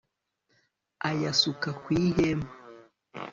ayasuka ku ihema